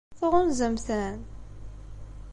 Tɣunzamt-ten?